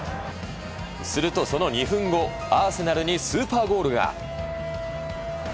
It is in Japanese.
すると、その２分後アーセナルにスーパーゴールが。